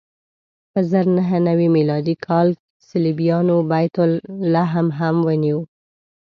په زر نهه نوې میلادي کال صلیبیانو بیت لحم هم ونیو.